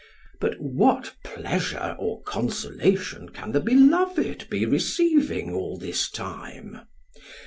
But what pleasure or consolation can the beloved be receiving all this time?